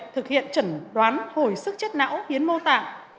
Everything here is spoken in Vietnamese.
thực hiện trần đoán hồi sức chết não hiến mô tạng